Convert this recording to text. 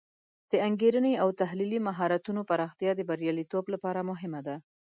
د انګیرنې او تحلیلي مهارتونو پراختیا د بریالیتوب لپاره مهمه ده.